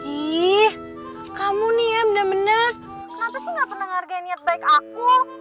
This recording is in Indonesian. ih kamu nih ya benar benar aku sih gak pernah ngergai niat baik aku